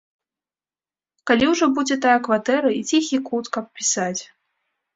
Калі ўжо будзе тая кватэра і ціхі кут, каб пісаць!